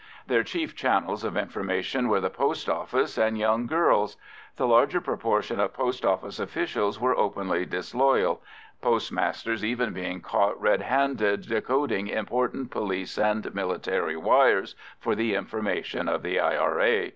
Their chief channels of information were the post office and young girls. The larger proportion of post office officials were openly disloyal, postmasters even being caught red handed decoding important police and military wires for the information of the I.R.A.